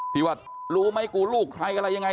ที่ว่ารู้ไหมกูลูกใครอะไรยังไง